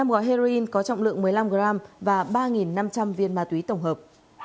năm gói heroin có trọng lượng một mươi năm g và ba năm trăm linh viên ma túy tổng hợp